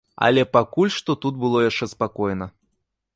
Але пакуль што тут было яшчэ спакойна.